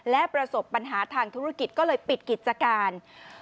และประสบปัญหาทางธุรกิจก็เลยปิดกิจการ